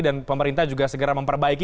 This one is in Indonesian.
dan pemerintah juga segera memperbaiki